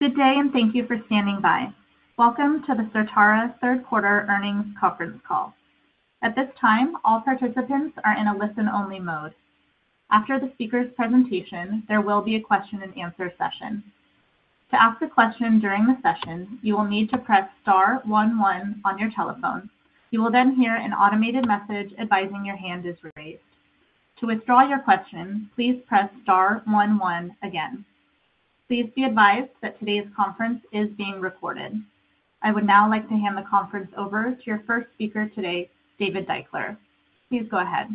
Good day, and thank you for standing by. Welcome to the Certara third quarter earnings conference call. At this time, all participants are in a listen-only mode. After the speaker's presentation, there will be a question-and-answer session. To ask a question during the session, you will need to press star one one on your telephone. You will then hear an automated message advising your hand is raised. To withdraw your question, please press star one one again. Please be advised that today's conference is being recorded. I would now like to hand the conference over to your first speaker today, David Deuchler. Please go ahead.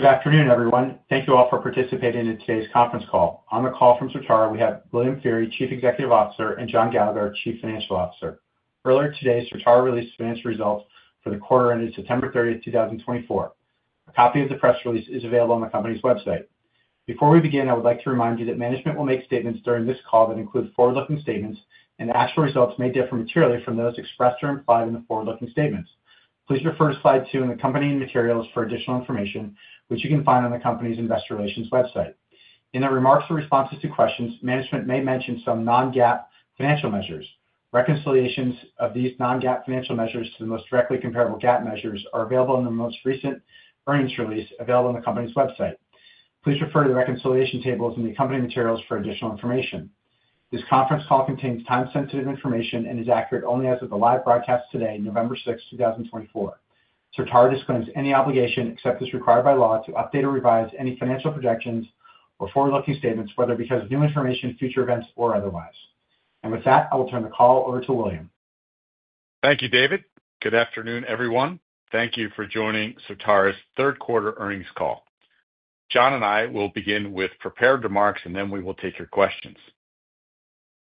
Good afternoon, everyone. Thank you all for participating in today's conference call. On the call from Certara, we have William Feehery, Chief Executive Officer, and John Gallagher, Chief Financial Officer. Earlier today, Certara released financial results for the quarter ended September 30th, 2024. A copy of the press release is available on the company's website. Before we begin, I would like to remind you that management will make statements during this call that include forward-looking statements, and actual results may differ materially from those expressed or implied in the forward-looking statements. Please refer to slide two in the company and materials for additional information, which you can find on the company's investor relations website. In the remarks or responses to questions, management may mention some non-GAAP financial measures. Reconciliations of these non-GAAP financial measures to the most directly comparable GAAP measures are available in the most recent earnings release available on the company's website. Please refer to the reconciliation tables in the company materials for additional information. This conference call contains time-sensitive information and is accurate only as of the live broadcast today, November 6th, 2024. Certara disclaims any obligation, except as required by law, to update or revise any financial projections or forward-looking statements, whether because of new information, future events, or otherwise. With that, I will turn the call over to William. Thank you, David. Good afternoon, everyone. Thank you for joining Certara's third quarter earnings call. John and I will begin with prepared remarks, and then we will take your questions.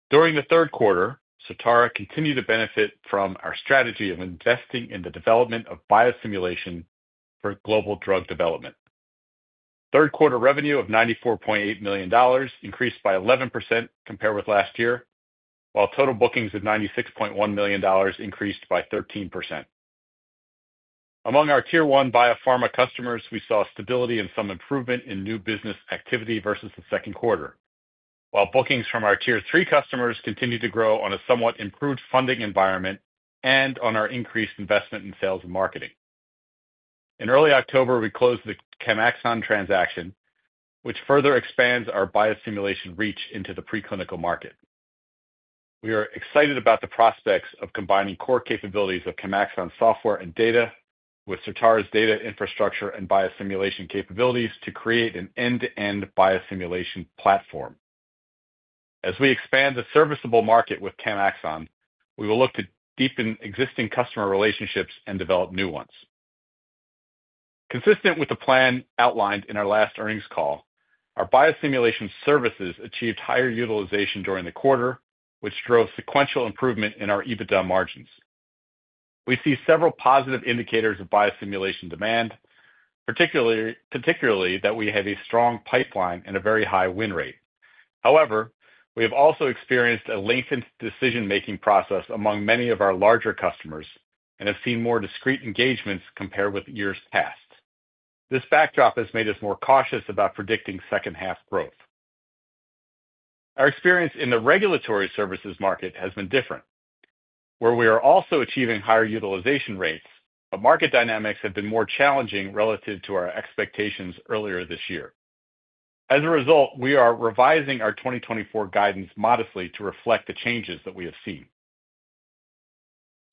During the third quarter, Certara continued to benefit from our strategy of investing in the development of biosimulation for global drug development. Third quarter revenue of $94.8 million increased by 11% compared with last year, while total bookings of $96.1 million increased by 13%. Among our Tier 1 biopharma customers, we saw stability and some improvement in new business activity versus the second quarter, while bookings from our Tier 3 customers continued to grow on a somewhat improved funding environment and on our increased investment in sales and marketing. In early October, we closed the Chemaxon transaction, which further expands our biosimulation reach into the preclinical market. We are excited about the prospects of combining core capabilities of Chemaxon software and data with Certara's data infrastructure and biosimulation capabilities to create an end-to-end biosimulation platform. As we expand the serviceable market with Chemaxon, we will look to deepen existing customer relationships and develop new ones. Consistent with the plan outlined in our last earnings call, our biosimulation services achieved higher utilization during the quarter, which drove sequential improvement in our EBITDA margins. We see several positive indicators of biosimulation demand, particularly that we have a strong pipeline and a very high win rate. However, we have also experienced a lengthened decision-making process among many of our larger customers and have seen more discreet engagements compared with years past. This backdrop has made us more cautious about predicting second-half growth. Our experience in the regulatory services market has been different, where we are also achieving higher utilization rates, but market dynamics have been more challenging relative to our expectations earlier this year. As a result, we are revising our 2024 guidance modestly to reflect the changes that we have seen.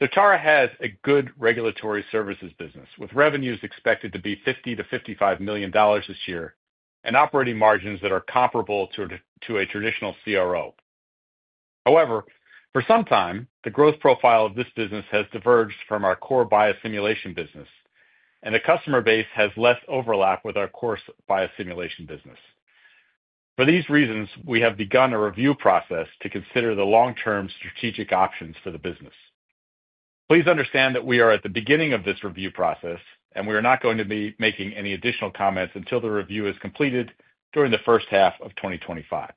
Certara has a good regulatory services business, with revenues expected to be $50 million-$55 million this year and operating margins that are comparable to a traditional CRO. However, for some time, the growth profile of this business has diverged from our core biosimulation business, and the customer base has less overlap with our core biosimulation business. For these reasons, we have begun a review process to consider the long-term strategic options for the business. Please understand that we are at the beginning of this review process, and we are not going to be making any additional comments until the review is completed during the first half of 2025.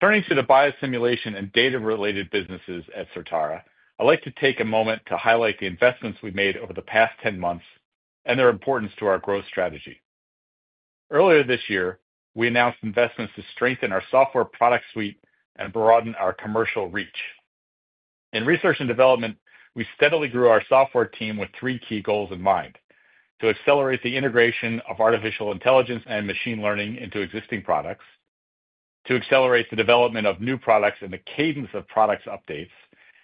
Turning to the biosimulation and data-related businesses at Certara, I'd like to take a moment to highlight the investments we've made over the past 10 months and their importance to our growth strategy. Earlier this year, we announced investments to strengthen our software product suite and broaden our commercial reach. In Research and Development, we steadily grew our software team with three key goals in mind: to accelerate the integration of artificial intelligence and machine learning into existing products, to accelerate the development of new products and the cadence of product updates,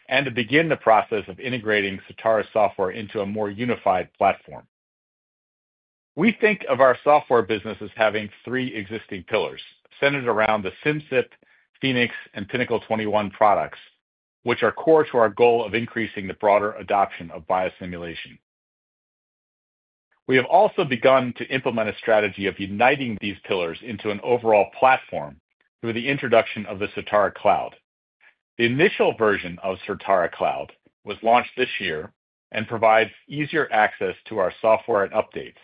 and to begin the process of integrating Certara's software into a more unified platform. We think of our software business as having three existing pillars centered around the Simcyp, Phoenix, and Pinnacle 21 products, which are core to our goal of increasing the broader adoption of biosimulation. We have also begun to implement a strategy of uniting these pillars into an overall platform through the introduction of the Certara Cloud. The initial version of Certara Cloud was launched this year and provides easier access to our software and updates,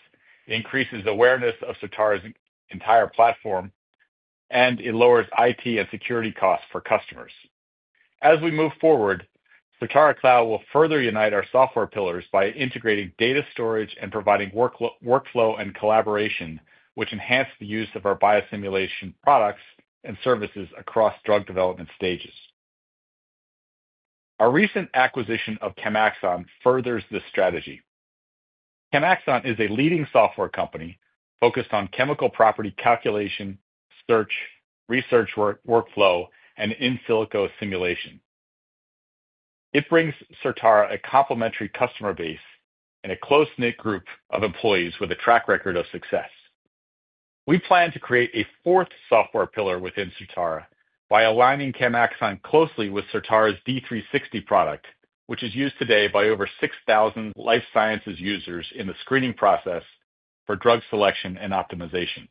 increases awareness of Certara's entire platform, and it lowers IT and security costs for customers. As we move forward, Certara Cloud will further unite our software pillars by integrating data storage and providing workflow and collaboration, which enhance the use of our biosimulation products and services across drug development stages. Our recent acquisition of Chemaxon furthers this strategy. Chemaxon is a leading software company focused on chemical property calculation, search, research workflow, and in-silico simulation. It brings Certara a complementary customer base and a close-knit group of employees with a track record of success. We plan to create a fourth software pillar within Certara by aligning Chemaxon closely with Certara's D360 product, which is used today by over 6,000 life sciences users in the screening process for drug selection and optimization.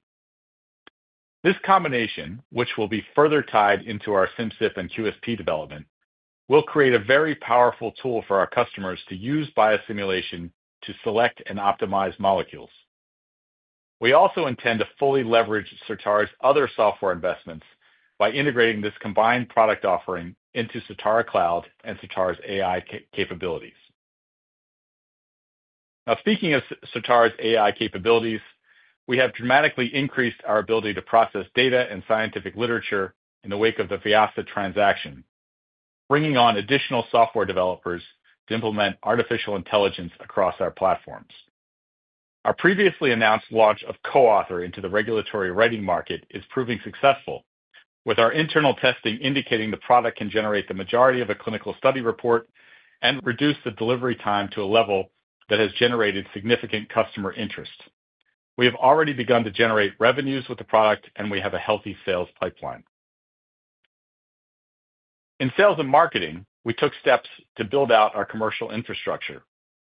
This combination, which will be further tied into our Simcyp and QSP development, will create a very powerful tool for our customers to use biosimulation to select and optimize molecules. We also intend to fully leverage Certara's other software investments by integrating this combined product offering into Certara Cloud and Certara's AI capabilities. Now, speaking of Certara's AI capabilities, we have dramatically increased our ability to process data and scientific literature in the wake of the Vyasa transaction, bringing on additional software developers to implement artificial intelligence across our platforms. Our previously announced launch of CoAuthor into the regulatory writing market is proving successful, with our internal testing indicating the product can generate the majority of a clinical study report and reduce the delivery time to a level that has generated significant customer interest. We have already begun to generate revenues with the product, and we have a healthy sales pipeline. In sales and marketing, we took steps to build out our commercial infrastructure,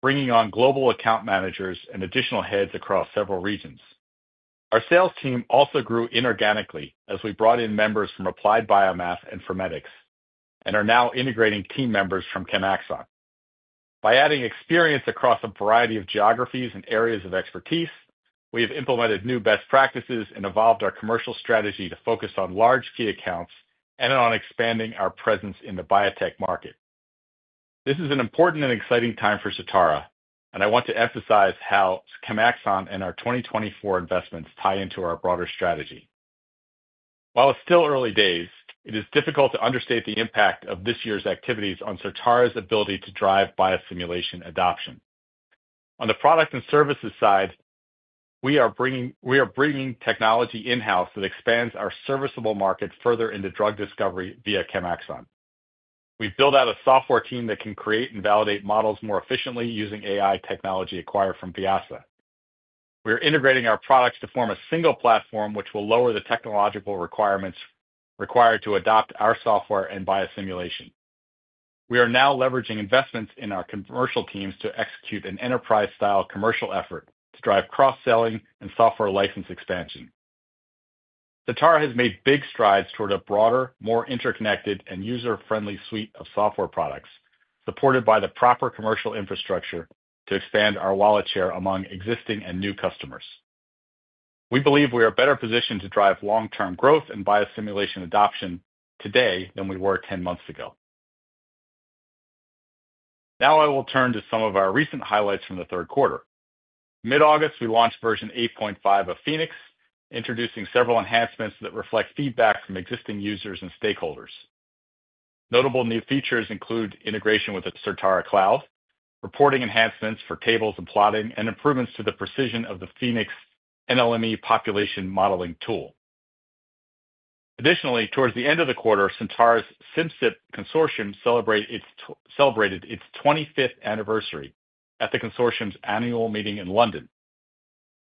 bringing on global account managers and additional heads across several regions. Our sales team also grew inorganically as we brought in members from Applied BioMath and Formedix and are now integrating team members from Chemaxon. By adding experience across a variety of geographies and areas of expertise, we have implemented new best practices and evolved our commercial strategy to focus on large key accounts and on expanding our presence in the biotech market. This is an important and exciting time for Certara, and I want to emphasize how Chemaxon and our 2024 investments tie into our broader strategy. While it's still early days, it is difficult to understate the impact of this year's activities on Certara's ability to drive biosimulation adoption. On the product and services side, we are bringing technology in-house that expands our serviceable market further into drug discovery via Chemaxon. We've built out a software team that can create and validate models more efficiently using AI technology acquired from Vyasa. We are integrating our products to form a single platform, which will lower the technological requirements required to adopt our software and biosimulation. We are now leveraging investments in our commercial teams to execute an enterprise-style commercial effort to drive cross-selling and software license expansion. Certara has made big strides toward a broader, more interconnected, and user-friendly suite of software products, supported by the proper commercial infrastructure to expand our wallet share among existing and new customers. We believe we are better positioned to drive long-term growth and biosimulation adoption today than we were 10 months ago. Now I will turn to some of our recent highlights from the third quarter. Mid-August, we launched version 8.5 of Phoenix, introducing several enhancements that reflect feedback from existing users and stakeholders. Notable new features include integration with the Certara Cloud, reporting enhancements for tables and plotting, and improvements to the precision of the Phoenix NLME population modeling tool. Additionally, towards the end of the quarter, Certara's Simcyp Consortium celebrated its 25th anniversary at the consortium's annual meeting in London.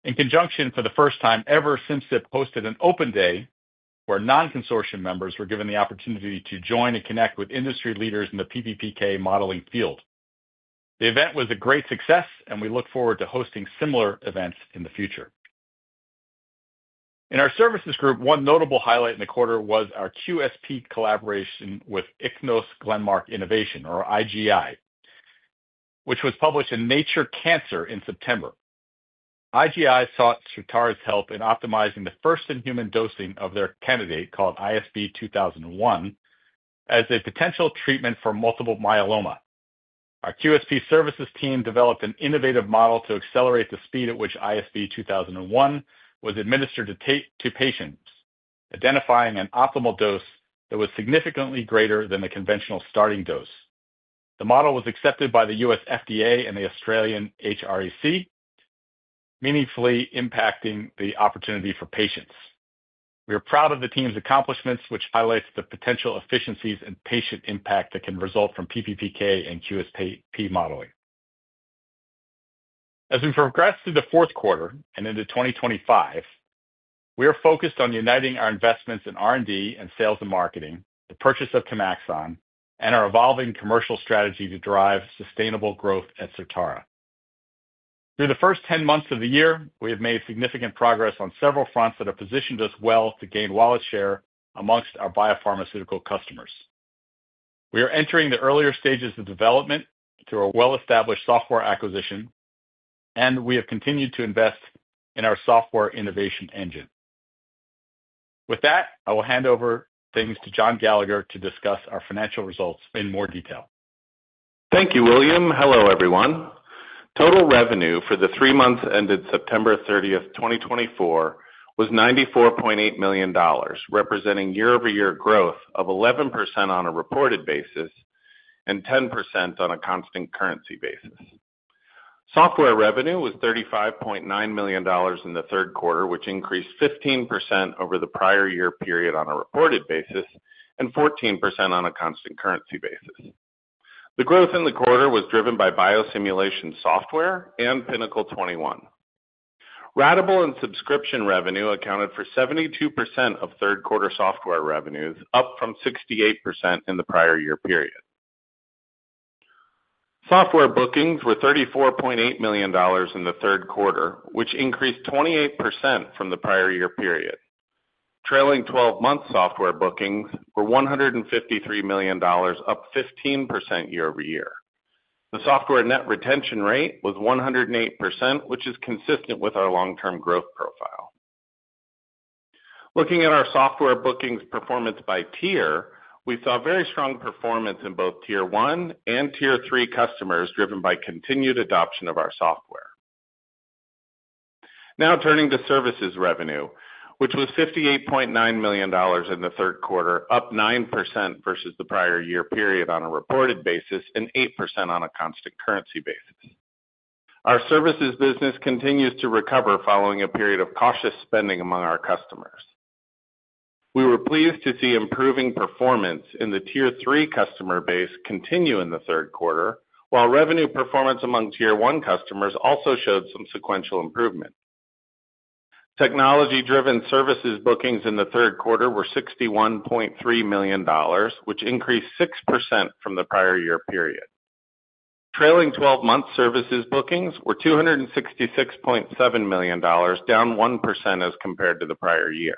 In conjunction, for the first time ever, Simcyp hosted an open day where non-consortium members were given the opportunity to join and connect with industry leaders in the PBPK modeling field. The event was a great success, and we look forward to hosting similar events in the future. In our services group, one notable highlight in the quarter was our QSP collaboration with Ichnos Glenmark Innovation, or IGI, which was published in Nature Cancer in September. IGI sought Certara's help in optimizing the first-in-human dosing of their candidate called ISB 2001 as a potential treatment for multiple myeloma. Our QSP services team developed an innovative model to accelerate the speed at which ISB 2001 was administered to patients, identifying an optimal dose that was significantly greater than the conventional starting dose. The model was accepted by the U.S. FDA and the Australian HREC, meaningfully impacting the opportunity for patients. We are proud of the team's accomplishments, which highlights the potential efficiencies and patient impact that can result from PBPK and QSP modeling. As we progress through the fourth quarter and into 2025, we are focused on uniting our investments in R&D and sales and marketing, the purchase of Chemaxon, and our evolving commercial strategy to drive sustainable growth at Certara. Through the first 10 months of the year, we have made significant progress on several fronts that have positioned us well to gain wallet share amongst our biopharmaceutical customers. We are entering the earlier stages of development through a well-established software acquisition, and we have continued to invest in our software innovation engine. With that, I will hand over things to John Gallagher to discuss our financial results in more detail. Thank you, William. Hello, everyone. Total revenue for the three months ended September 30th, 2024, was $94.8 million, representing year-over-year growth of 11% on a reported basis and 10% on a constant currency basis. Software revenue was $35.9 million in the third quarter, which increased 15% over the prior year period on a reported basis and 14% on a constant currency basis. The growth in the quarter was driven by biosimulation software and Pinnacle 21. Ratable and subscription revenue accounted for 72% of third-quarter software revenues, up from 68% in the prior year period. Software bookings were $34.8 million in the third quarter, which increased 28% from the prior year period. Trailing 12-month software bookings were $153 million, up 15% year-over-year. The software net retention rate was 108%, which is consistent with our long-term growth profile. Looking at our software bookings performance by tier, we saw very strong performance in both Tier 1 and Tier 3 customers driven by continued adoption of our software. Now turning to services revenue, which was $58.9 million in the third quarter, up 9% versus the prior year period on a reported basis and 8% on a constant currency basis. Our services business continues to recover following a period of cautious spending among our customers. We were pleased to see improving performance in the Tier 3 customer base continue in the third quarter, while revenue performance among Tier 1 customers also showed some sequential improvement. Technology-driven services bookings in the third quarter were $61.3 million, which increased 6% from the prior year period. Trailing 12-month services bookings were $266.7 million, down 1% as compared to the prior year.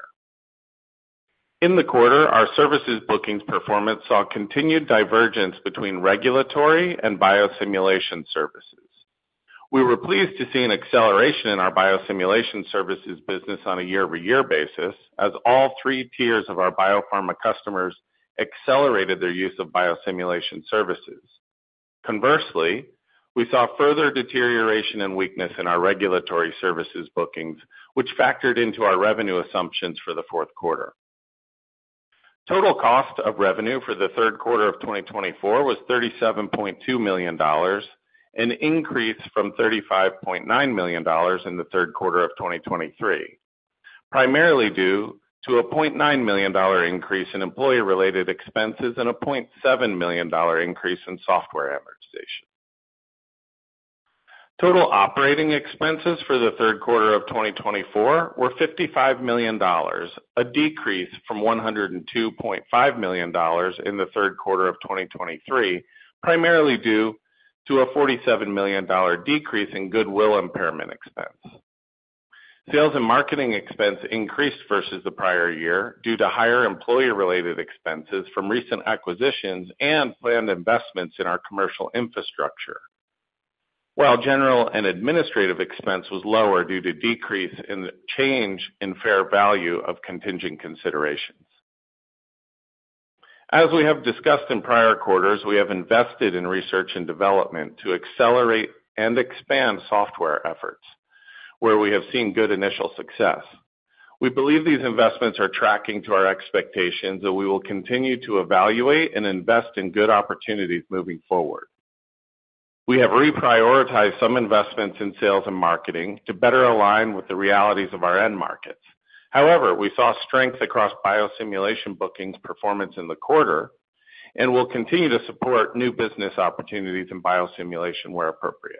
In the quarter, our services bookings performance saw continued divergence between regulatory and biosimulation services. We were pleased to see an acceleration in our biosimulation services business on a year-over-year basis, as all three tiers of our biopharma customers accelerated their use of biosimulation services. Conversely, we saw further deterioration and weakness in our regulatory services bookings, which factored into our revenue assumptions for the fourth quarter. Total cost of revenue for the third quarter of 2024 was $37.2 million, an increase from $35.9 million in the third quarter of 2023, primarily due to a $0.9 million increase in employee-related expenses and a $0.7 million increase in software amortization. Total operating expenses for the third quarter of 2024 were $55 million, a decrease from $102.5 million in the third quarter of 2023, primarily due to a $47 million decrease in goodwill impairment expense. Sales and marketing expense increased versus the prior year due to higher employee-related expenses from recent acquisitions and planned investments in our commercial infrastructure, while general and administrative expense was lower due to decrease in change in fair value of contingent considerations. As we have discussed in prior quarters, we have invested in Research and Development to accelerate and expand software efforts, where we have seen good initial success. We believe these investments are tracking to our expectations, and we will continue to evaluate and invest in good opportunities moving forward. We have reprioritized some investments in sales and marketing to better align with the realities of our end markets. However, we saw strength across biosimulation bookings performance in the quarter and will continue to support new business opportunities in biosimulation where appropriate.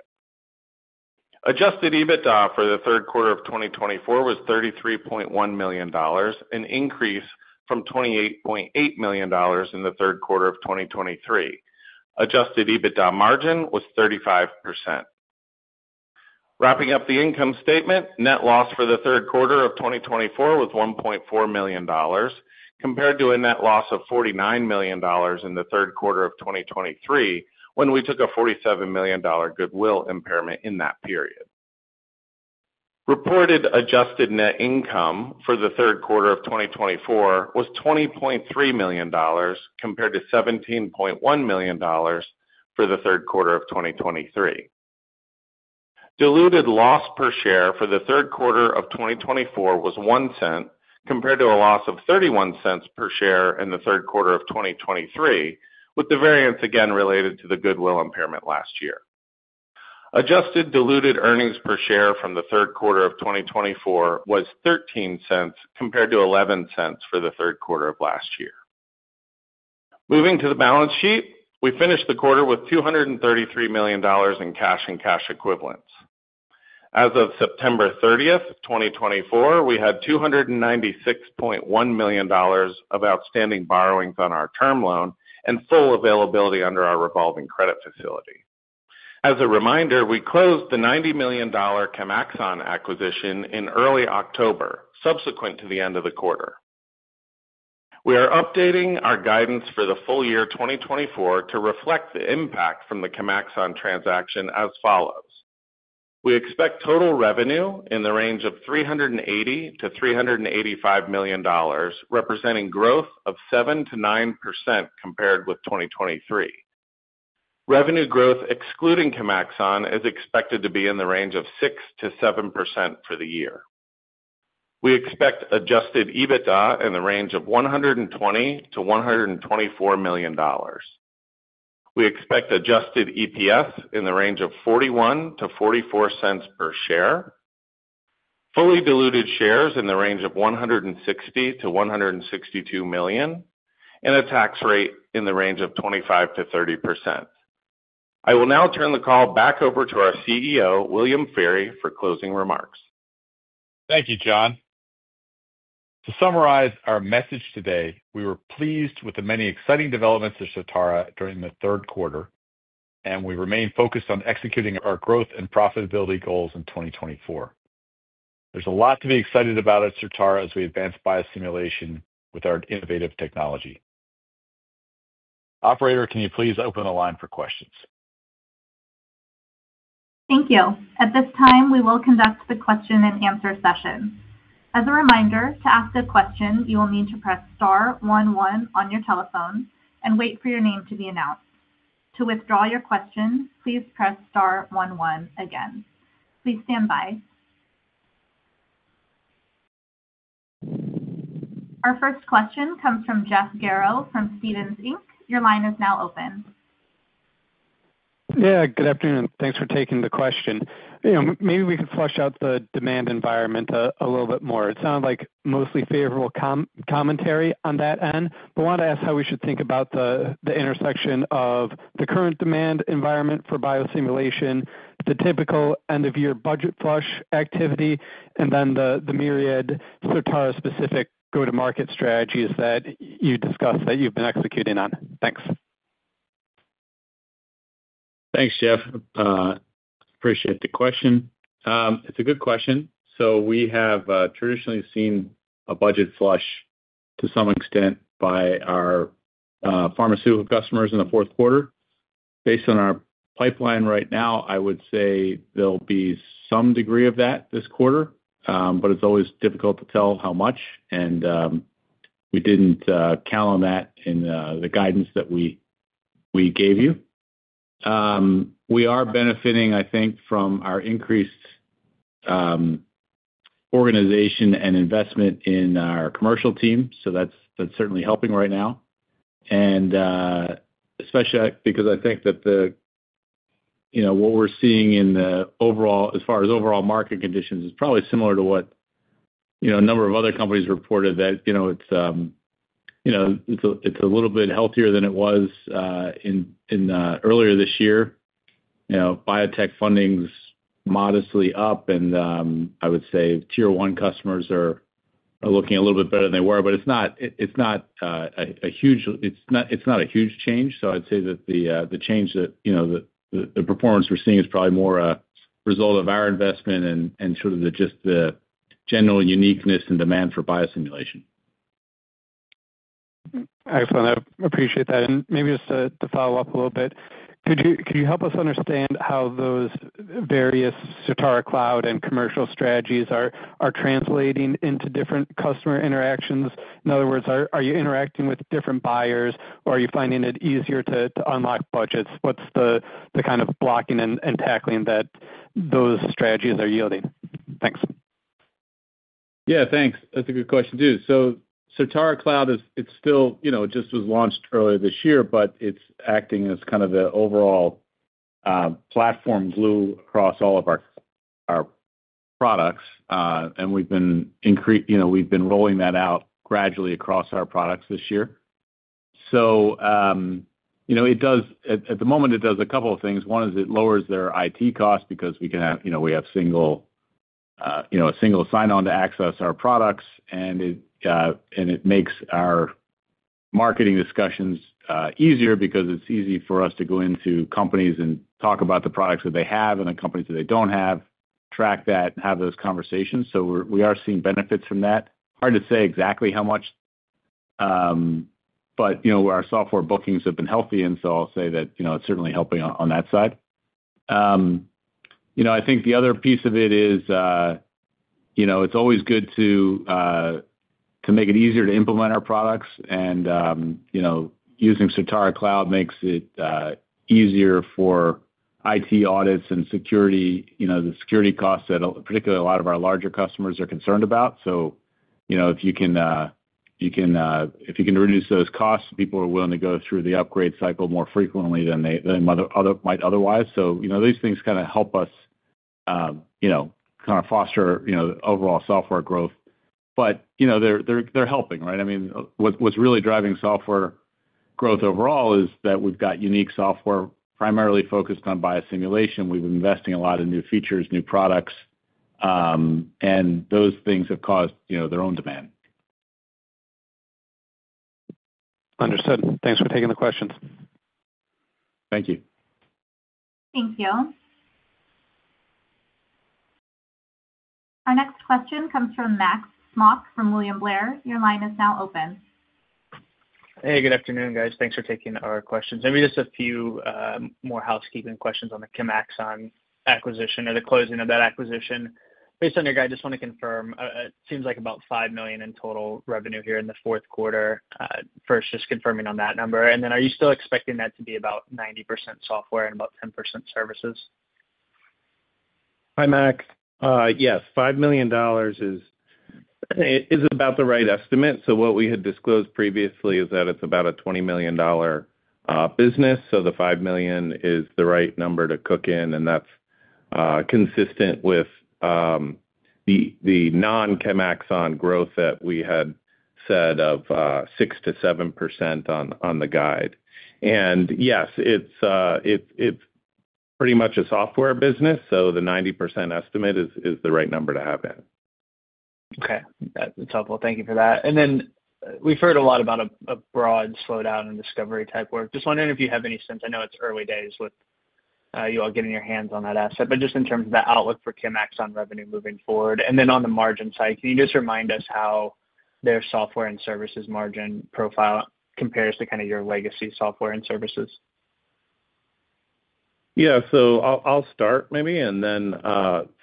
Adjusted EBITDA for the third quarter of 2024 was $33.1 million, an increase from $28.8 million in the third quarter of 2023. Adjusted EBITDA margin was 35%. Wrapping up the income statement, net loss for the third quarter of 2024 was $1.4 million, compared to a net loss of $49 million in the third quarter of 2023 when we took a $47 million goodwill impairment in that period. Reported adjusted net income for the third quarter of 2024 was $20.3 million, compared to $17.1 million for the third quarter of 2023. Diluted loss per share for the third quarter of 2024 was $0.01, compared to a loss of $0.31 per share in the third quarter of 2023, with the variance again related to the goodwill impairment last year. Adjusted diluted earnings per share from the third quarter of 2024 was $0.13, compared to $0.11 for the third quarter of last year. Moving to the balance sheet, we finished the quarter with $233 million in cash and cash equivalents. As of September 30th, 2024, we had $296.1 million of outstanding borrowings on our term loan and full availability under our revolving credit facility. As a reminder, we closed the $90 million Chemaxon acquisition in early October, subsequent to the end of the quarter. We are updating our guidance for the full year 2024 to reflect the impact from the Chemaxon transaction as follows. We expect total revenue in the range of $380 million-$385 million, representing growth of 7%-9% compared with 2023. Revenue growth excluding Chemaxon is expected to be in the range of 6%-7% for the year. We expect Adjusted EBITDA in the range of $120-$124 million. We expect Adjusted EPS in the range of $0.41-$0.44 per share, fully diluted shares in the range of 160 million-162 million, and a tax rate in the range of 25%-30%. I will now turn the call back over to our CEO, William Feehery, for closing remarks. Thank you, John. To summarize our message today, we were pleased with the many exciting developments at Certara during the third quarter, and we remain focused on executing our growth and profitability goals in 2024. There's a lot to be excited about at Certara as we advance biosimulation with our innovative technology. Operator, can you please open the line for questions? Thank you. At this time, we will conduct the question-and-answer session. As a reminder, to ask a question, you will need to press star one one on your telephone and wait for your name to be announced. To withdraw your question, please press star one one again. Please stand by. Our first question comes from Jeff Garro from Stephens Inc. Your line is now open. Yeah, good afternoon. Thanks for taking the question. Maybe we could flesh out the demand environment a little bit more. It sounded like mostly favorable commentary on that end, but I wanted to ask how we should think about the intersection of the current demand environment for biosimulation, the typical end-of-year budget flush activity, and then the myriad Certara-specific go-to-market strategies that you discussed that you've been executing on. Thanks. Thanks, Jeff. Appreciate the question. It's a good question. So we have traditionally seen a budget flush to some extent by our pharmaceutical customers in the fourth quarter. Based on our pipeline right now, I would say there'll be some degree of that this quarter, but it's always difficult to tell how much, and we didn't count on that in the guidance that we gave you. We are benefiting, I think, from our increased organization and investment in our commercial team, so that's certainly helping right now, and especially because I think that what we're seeing in the overall, as far as overall market conditions, is probably similar to what a number of other companies reported, that it's a little bit healthier than it was earlier this year. Biotech funding's modestly up, and I would say Tier 1 customers are looking a little bit better than they were, but it's not a huge change. So I'd say that the change that the performance we're seeing is probably more a result of our investment and sort of just the general uniqueness and demand for biosimulation. Excellent. I appreciate that. And maybe just to follow up a little bit, could you help us understand how those various Certara Cloud and commercial strategies are translating into different customer interactions? In other words, are you interacting with different buyers, or are you finding it easier to unlock budgets? What's the kind of blocking and tackling that those strategies are yielding? Thanks. Yeah, thanks. That's a good question, too. So Certara Cloud, it just was launched earlier this year, but it's acting as kind of an overall platform glue across all of our products, and we've been rolling that out gradually across our products this year. So at the moment, it does a couple of things. One is it lowers their IT costs because we have a single sign-on to access our products, and it makes our marketing discussions easier because it's easy for us to go into companies and talk about the products that they have and the companies that they don't have, track that, and have those conversations. So we are seeing benefits from that. Hard to say exactly how much, but our software bookings have been healthy, and so I'll say that it's certainly helping on that side. I think the other piece of it is it's always good to make it easier to implement our products, and using Certara Cloud makes it easier for IT audits and security, the security costs that particularly a lot of our larger customers are concerned about. So if you can reduce those costs, people are willing to go through the upgrade cycle more frequently than they might otherwise. So these things kind of help us kind of foster overall software growth, but they're helping, right? I mean, what's really driving software growth overall is that we've got unique software primarily focused on biosimulation. We've been investing a lot in new features, new products, and those things have caused their own demand. Understood. Thanks for taking the questions. Thank you. Thank you. Our next question comes from Max Smock from William Blair. Your line is now open. Hey, good afternoon, guys. Thanks for taking our questions. Maybe just a few more housekeeping questions on the Chemaxon acquisition or the closing of that acquisition. Based on your guide, I just want to confirm it seems like about $5 million in total revenue here in the fourth quarter. First, just confirming on that number. And then are you still expecting that to be about 90% software and about 10% services? Hi, Max. Yes, $5 million is about the right estimate. So what we had disclosed previously is that it's about a $20 million business, so the $5 million is the right number to cook in, and that's consistent with the non-Chemaxon growth that we had said of 6%-7% on the guide. And yes, it's pretty much a software business, so the 90% estimate is the right number to have in. Okay. That's helpful. Thank you for that. And then we've heard a lot about a broad slowdown in discovery-type work. Just wondering if you have any sense, I know it's early days with you all getting your hands on that asset, but just in terms of that outlook for Chemaxon revenue moving forward. And then on the margin side, can you just remind us how their software and services margin profile compares to kind of your legacy software and services? Yeah. So I'll start, maybe. And then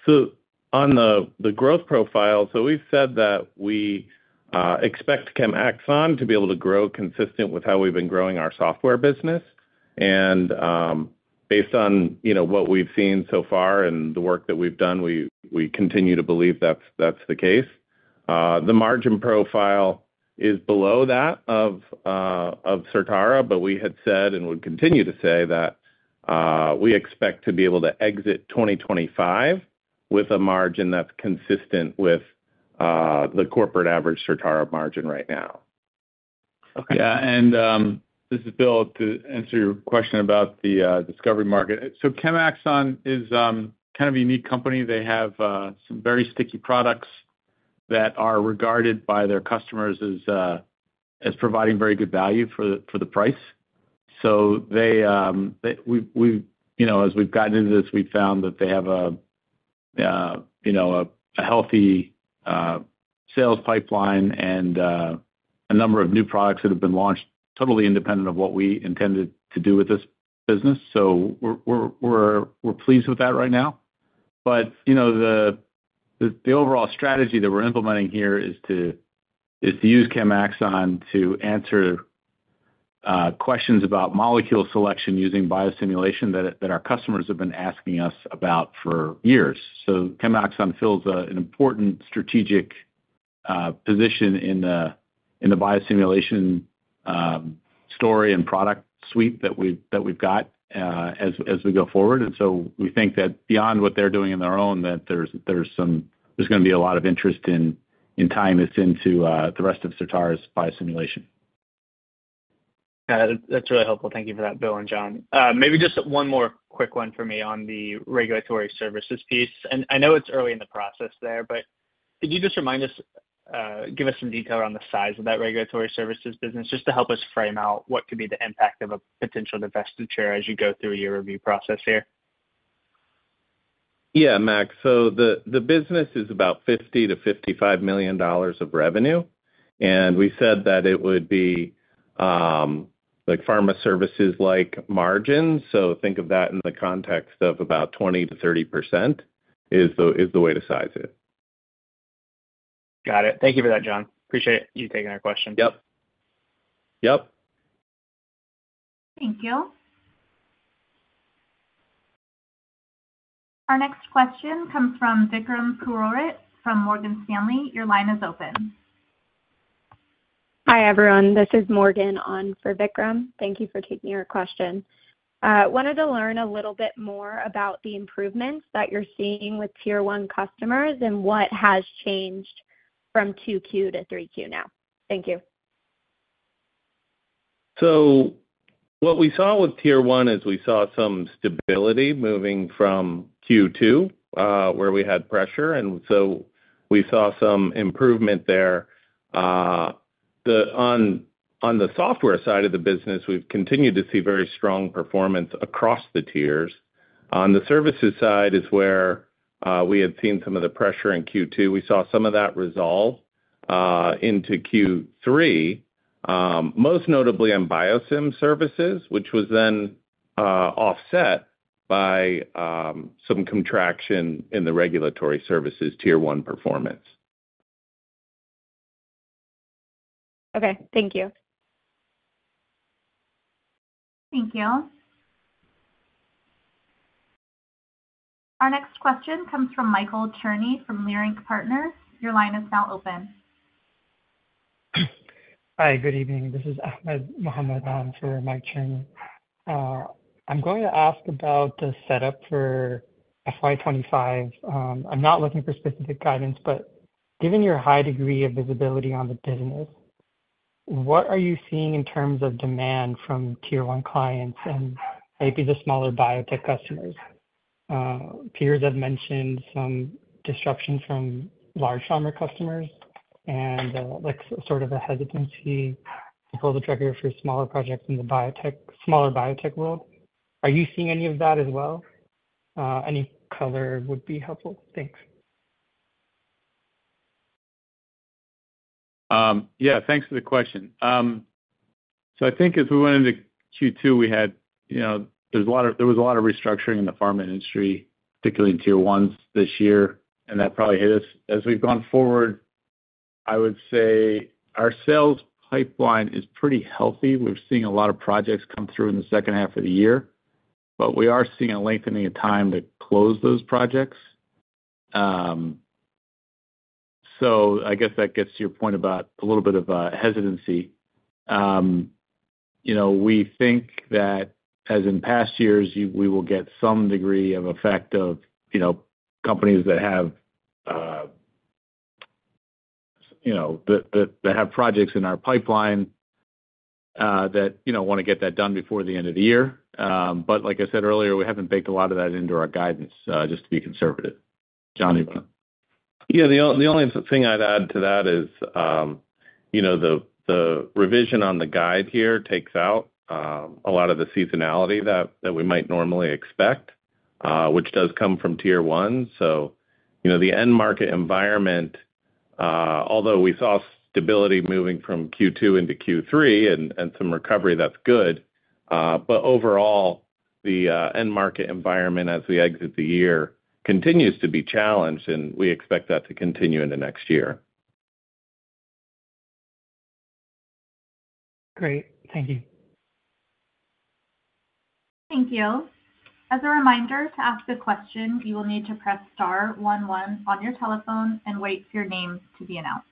so on the growth profile, so we've said that we expect Chemaxon to be able to grow consistent with how we've been growing our software business. And based on what we've seen so far and the work that we've done, we continue to believe that's the case. The margin profile is below that of Certara, but we had said and would continue to say that we expect to be able to exit 2025 with a margin that's consistent with the corporate average Certara margin right now. Yeah. And this is Bill to answer your question about the discovery market. So Chemaxon is kind of a unique company. They have some very sticky products that are regarded by their customers as providing very good value for the price, so as we've gotten into this, we've found that they have a healthy sales pipeline and a number of new products that have been launched totally independent of what we intended to do with this business, so we're pleased with that right now, but the overall strategy that we're implementing here is to use Chemaxon to answer questions about molecule selection using biosimulation that our customers have been asking us about for years, so Chemaxon fills an important strategic position in the biosimulation story and product suite that we've got as we go forward, and so we think that beyond what they're doing on their own, that there's going to be a lot of interest in tying this into the rest of Certara's biosimulation. That's really helpful. Thank you for that, Bill and John. Maybe just one more quick one for me on the regulatory services piece. And I know it's early in the process there, but could you just remind us, give us some detail around the size of that regulatory services business, just to help us frame out what could be the impact of a potential divestiture as you go through your review process here? Yeah, Max. So the business is about $50 million-$55 million of revenue, and we said that it would be pharma services-like margins. So think of that in the context of about 20%-30% is the way to size it. Got it. Thank you for that, John. Appreciate you taking our questions. Yep. Yep. Thank you. Our next question comes from Vikram Purohit from Morgan Stanley. Your line is open. Hi, everyone. This is Morgan on for Vikram. Thank you for taking your question. Wanted to learn a little bit more about the improvements that you're seeing with Tier 1 customers and what has changed from 2Q to 3Q now. Thank you. So what we saw with Tier 1 is we saw some stability moving from Q2 where we had pressure, and so we saw some improvement there. On the software side of the business, we've continued to see very strong performance across the tiers. On the services side is where we had seen some of the pressure in Q2. We saw some of that resolve into Q3, most notably on biosim services, which was then offset by some contraction in the regulatory services Tier 1 performance. Okay. Thank you. Thank you. Our next question comes from Michael Cherny from Leerink Partners. Your line is now open. Hi, good evening. This is Ahmed Muhammad on for Mike Cherny. I'm going to ask about the setup for FY 2025. I'm not looking for specific guidance, but given your high degree of visibility on the business, what are you seeing in terms of demand from Tier 1 clients and maybe the smaller biotech customers? Peers have mentioned some disruption from large pharma customers and sort of a hesitancy to pull the trigger for smaller projects in the smaller biotech world. Are you seeing any of that as well? Any color would be helpful. Thanks. Yeah. Thanks for the question. So I think if we went into Q2, we had. There was a lot of restructuring in the pharma industry, particularly in Tier 1s this year, and that probably hit us. As we've gone forward, I would say our sales pipeline is pretty healthy. We're seeing a lot of projects come through in the second half of the year, but we are seeing a lengthening of time to close those projects. So I guess that gets to your point about a little bit of hesitancy. We think that as in past years, we will get some degree of effect of companies that have projects in our pipeline that want to get that done before the end of the year. But like I said earlier, we haven't baked a lot of that into our guidance, just to be conservative. John, you want to? Yeah. The only thing I'd add to that is the revision on the guide here takes out a lot of the seasonality that we might normally expect, which does come from Tier 1. So the end market environment, although we saw stability moving from Q2 into Q3 and some recovery, that's good. But overall, the end market environment as we exit the year continues to be challenged, and we expect that to continue in the next year. Great. Thank you. Thank you. As a reminder, to ask a question, you will need to press star one one on your telephone and wait for your name to be announced.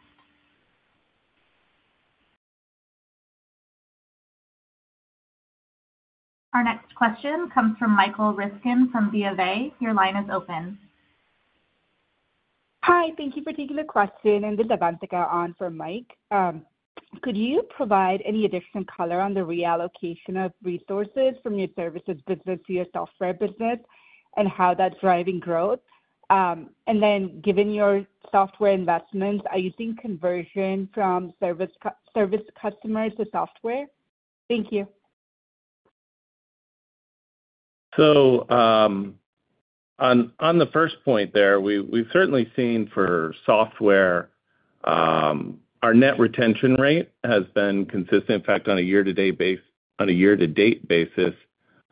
Our next question comes from Michael Ryskin from BofA. Your line is open. Hi. Thank you for taking the question. And this is Avantika on for Mike. Could you provide any additional color on the reallocation of resources from your services business to your software business and how that's driving growth? And then given your software investments, are you seeing conversion from service customers to software? Thank you. So on the first point there, we've certainly seen for software, our net retention rate has been consistent. In fact, on a year-to-date basis,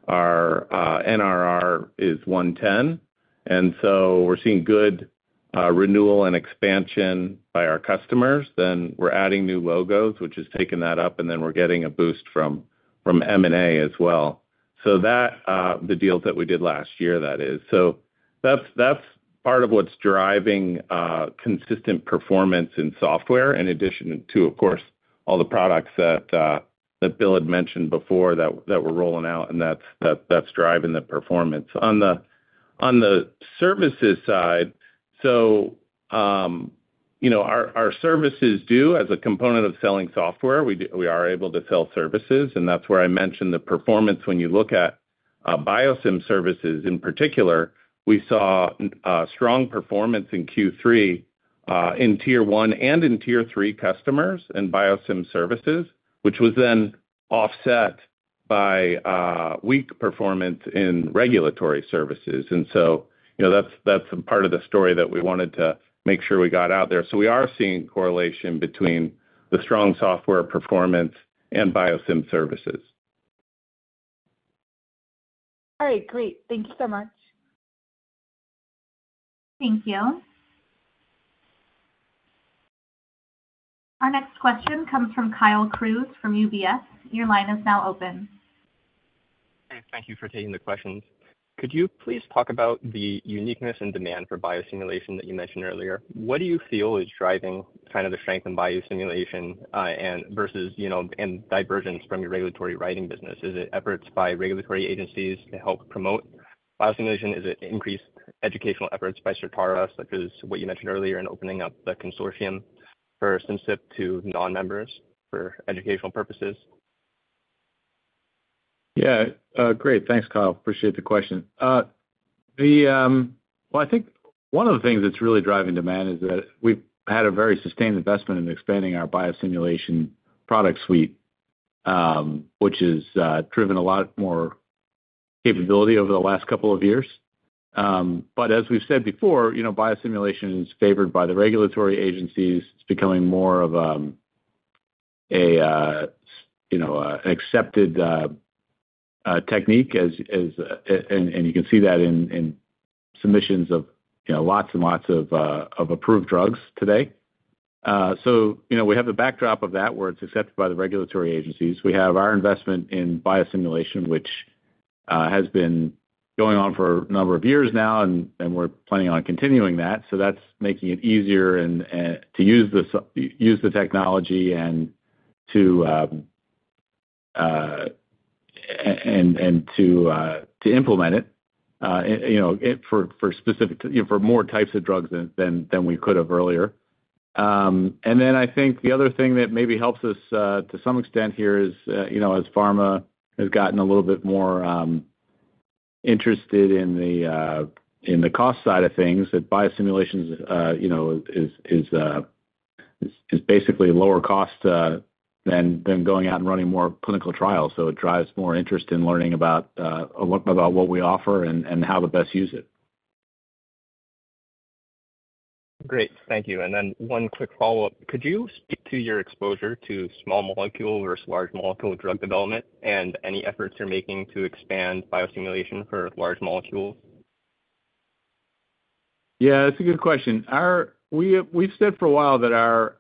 our NRR is 110, and so we're seeing good renewal and expansion by our customers, then we're adding new logos, which is taking that up, and then we're getting a boost from M&A as well, so the deals that we did last year, that is, so that's part of what's driving consistent performance in software in addition to, of course, all the products that Bill had mentioned before that we're rolling out, and that's driving the performance. On the services side, so our services do, as a component of selling software, we are able to sell services, and that's where I mentioned the performance. When you look at biosim services in particular, we saw strong performance in Q3 in Tier 1 and in Tier 3 customers and biosim services, which was then offset by weak performance in regulatory services. And so that's part of the story that we wanted to make sure we got out there. So we are seeing correlation between the strong software performance and biosim services. All right. Great. Thank you so much. Thank you. Our next question comes from Kyle Crews from UBS. Your line is now open. Thank you for taking the questions. Could you please talk about the uniqueness and demand for biosimulation that you mentioned earlier? What do you feel is driving kind of the strength in biosimulation versus divergence from your regulatory writing business? Is it efforts by regulatory agencies to help promote biosimulation? Is it increased educational efforts by Certara, such as what you mentioned earlier in opening up the consortium for Simcyp to non-members for educational purposes? Yeah. Great. Thanks, Kyle. Appreciate the question. I think one of the things that's really driving demand is that we've had a very sustained investment in expanding our biosimulation product suite, which has driven a lot more capability over the last couple of years. But as we've said before, biosimulation is favored by the regulatory agencies. It's becoming more of an accepted technique, and you can see that in submissions of lots and lots of approved drugs today. So we have the backdrop of that where it's accepted by the regulatory agencies. We have our investment in biosimulation, which has been going on for a number of years now, and we're planning on continuing that. So that's making it easier to use the technology and to implement it for more types of drugs than we could have earlier. And then I think the other thing that maybe helps us to some extent here is as pharma has gotten a little bit more interested in the cost side of things, that biosimulation is basically lower cost than going out and running more clinical trials. So it drives more interest in learning about what we offer and how to best use it. Great. Thank you. And then one quick follow-up. Could you speak to your exposure to small molecule versus large molecule drug development and any efforts you're making to expand biosimulation for large molecules? Yeah. That's a good question. We've said for a while that our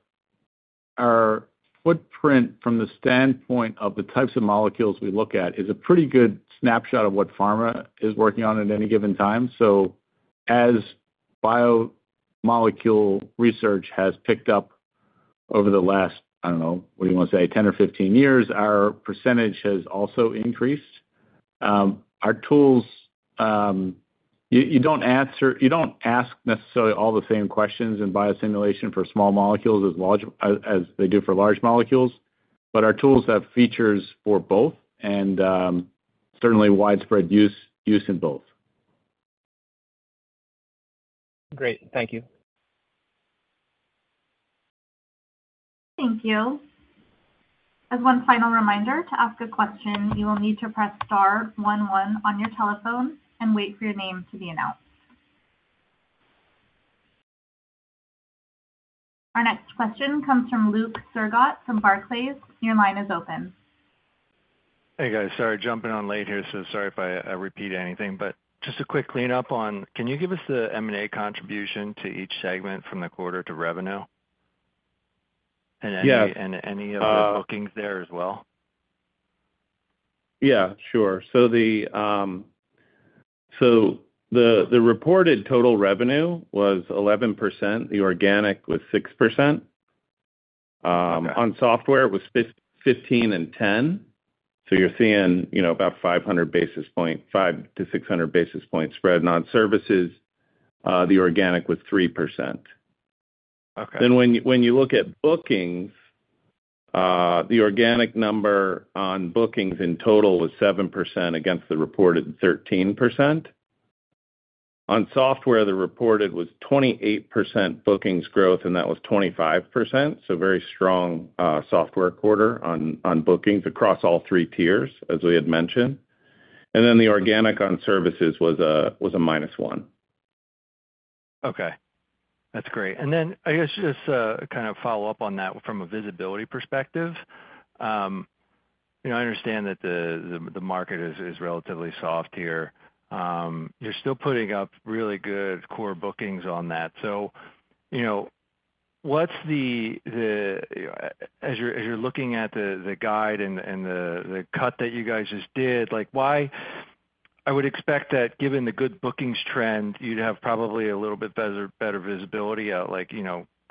footprint from the standpoint of the types of molecules we look at is a pretty good snapshot of what pharma is working on at any given time. So as biomolecule research has picked up over the last, I don't know, what do you want to say, 10 years or 15 years, our percentage has also increased. Our tools, you don't ask necessarily all the same questions in biosimulation for small molecules as they do for large molecules, but our tools have features for both and certainly widespread use in both. Great. Thank you. Thank you. As one final reminder to ask a question, you will need to press star one one on your telephone and wait for your name to be announced. Our next question comes from Luke Sergott from Barclays. Your line is open. Hey, guys. Sorry, jumping on late here, so sorry if I repeat anything. But just a quick cleanup on, can you give us the M&A contribution to each segment from the quarter to revenue? And any of the bookings there as well? Yeah. Sure. So the reported total revenue was 11%. The organic was 6%. On software, it was 15% and 10%. So you're seeing about 500 basis points, 500 basis points-600 basis points spread on services. The organic was 3%. Then when you look at bookings, the organic number on bookings in total was 7% against the reported 13%. On software, the reported was 28% bookings growth, and that was 25%. So very strong software quarter on bookings across all three tiers, as we had mentioned. And then the organic on services was a minus one. Okay. That's great. And then I guess just to kind of follow up on that from a visibility perspective, I understand that the market is relatively soft here. You're still putting up really good core bookings on that. So what's the, as you're looking at the guide and the cut that you guys just did, I would expect that given the good bookings trend, you'd have probably a little bit better visibility a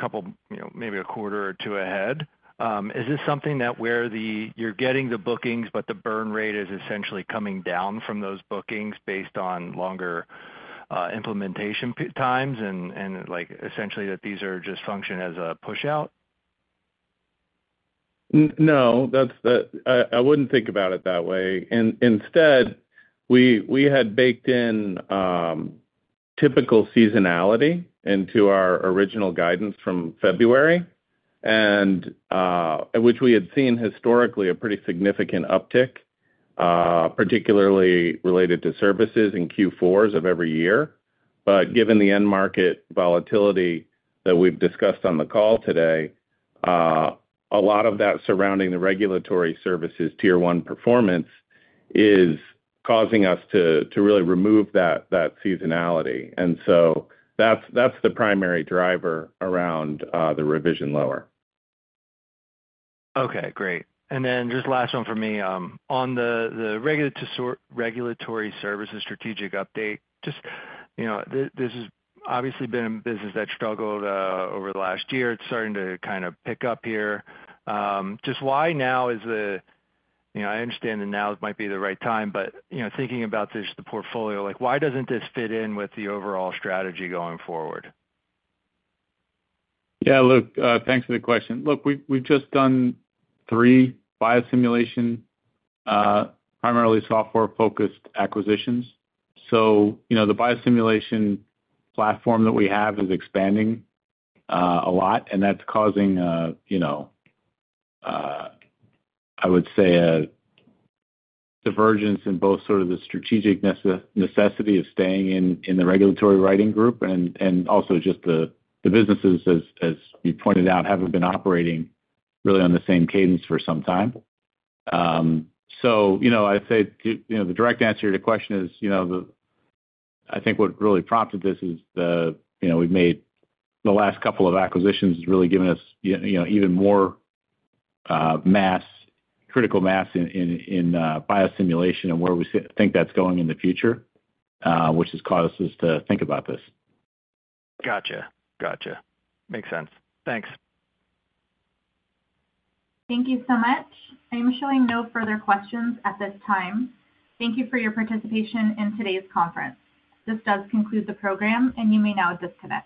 couple, maybe a quarter or two ahead. Is this something that where you're getting the bookings, but the burn rate is essentially coming down from those bookings based on longer implementation times and essentially that these are just function as a push-out? No. I wouldn't think about it that way. Instead, we had baked in typical seasonality into our original guidance from February, which we had seen historically a pretty significant uptick, particularly related to services in Q4s of every year. But given the end market volatility that we've discussed on the call today, a lot of that surrounding the regulatory services Tier 1 performance is causing us to really remove that seasonality. And so that's the primary driver around the revision lower. Okay. Great. And then just last one for me. On the regulatory services strategic update, this has obviously been a business that struggled over the last year. It's starting to kind of pick up here. Just why now? I understand that now might be the right time, but thinking about the portfolio, why doesn't this fit in with the overall strategy going forward? Yeah. Look, thanks for the question. Look, we've just done three biosimulation, primarily software-focused acquisitions. So the biosimulation platform that we have is expanding a lot, and that's causing, I would say, a divergence in both sort of the strategic necessity of staying in the regulatory writing group and also just the businesses, as you pointed out, haven't been operating really on the same cadence for some time. So I'd say the direct answer to your question is I think what really prompted this is we've made the last couple of acquisitions has really given us even more critical mass in biosimulation and where we think that's going in the future, which has caused us to think about this. Gotcha. Gotcha. Makes sense. Thanks. Thank you so much. I'm showing no further questions at this time. Thank you for your participation in today's conference. This does conclude the program, and you may now disconnect.